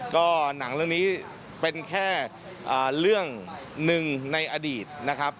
ก็หนังเรื่องนี้เป็นแค่เรื่องหนึ่งในอดีตนะครับ